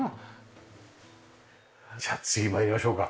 じゃあ次参りましょうか。